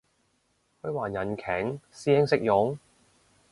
虛幻引擎？師兄識用？